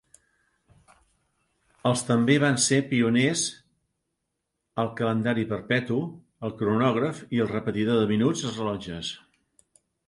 Els també van ser pioners al calendari perpetu, el cronògraf i el repetidor de minuts als rellotges.